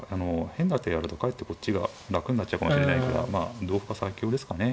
変な手やるとかえってこっちが楽になっちゃうかもしれないからまあ同歩が最強ですかね。